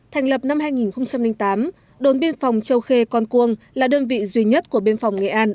thành lập năm hai nghìn tám đồn biên phòng châu khê con cuông là đơn vị duy nhất của biên phòng nghệ an